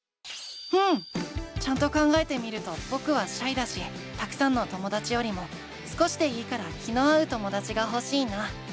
うん！ちゃんと考えてみるとぼくはシャイだしたくさんのともだちよりも少しでいいから気の合うともだちがほしいな。